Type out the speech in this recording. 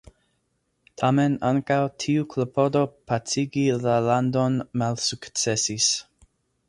Tamen ankaŭ tiu klopodo pacigi la landon malsukcesis.